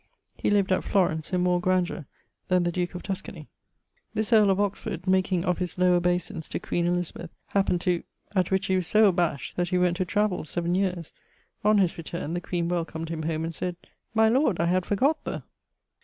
He lived at Florence in more grandeur than the duke of Tuscany. This earle of Oxford, making of his low obeisance to queen Elizabeth, happened to ..., at which he was so abashed that he went to travell 7 yeares. On his returne the queen welcomed him home and sayd, 'My lord, I had forgot the